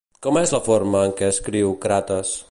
Com és la forma en què escriu Crates?